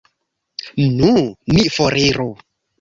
Nu, ni foriru!